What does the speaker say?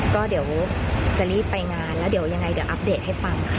ก็เดี๋ยวจะรีบไปงานแล้วเดี๋ยวยังไงเดี๋ยวอัปเดตให้ฟังค่ะ